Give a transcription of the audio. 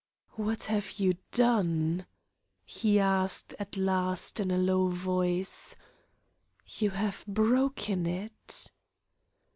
"What have you done?" he asked at last in a low voice. "You have broken it?"